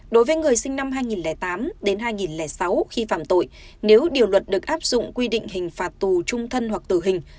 đối với người sinh năm hai nghìn tám hai nghìn sáu khi phạm tội nếu điều luật được áp dụng quy định hình phạt tù trung thân hoặc tử hình